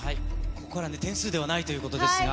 ここからはね、点数ではないということですが。